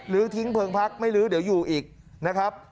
ทิ้งเพลิงพักไม่ลื้อเดี๋ยวอยู่อีกนะครับ